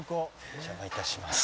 お邪魔いたします。